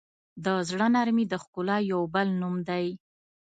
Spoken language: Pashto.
د زړه نرمي د ښکلا یو بل نوم دی.